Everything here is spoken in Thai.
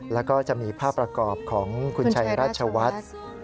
แล้วก็จะมีภาพประกอบของคุณชัยราชวัฒน์